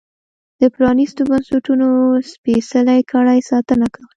د پرانیستو بنسټونو سپېڅلې کړۍ ساتنه کوله.